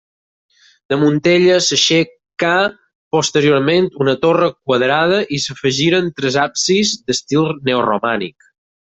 Damunt ella s'aixecà posteriorment una torre quadrada i s'afegiren tres absis d'estil neoromànic.